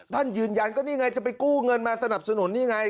ท่านยืนยันก็นี่ไงจะไปกู้เงินมาสนับสนุนนี่ไง